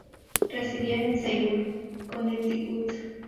Residían en Seymour, Connecticut.